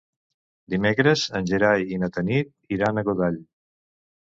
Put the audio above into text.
Dimecres en Gerai i na Tanit iran a Godall.